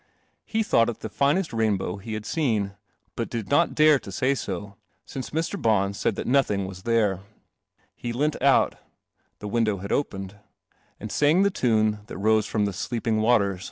He thought it the finest rainbow he hail seen, but did not dare to e Mr. B dd that nothingwas there. 1 1 I antout the window had opened — ami the tune that from the sleeping water